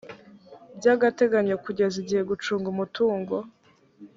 by agateganyo kugeza igihe gucunga umutungo